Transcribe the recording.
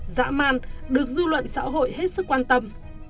dã man được dư luận xã hội hết sức quan tâm